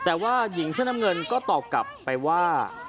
แต่ว่าหญิงเสื้อน้ำเงินก็ตอบกลับไปว่า